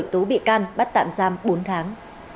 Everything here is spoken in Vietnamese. khởi tú bị can bắt tạm giam bốn tháng